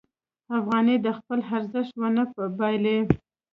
افغانۍ به خپل ارزښت ونه بایلي.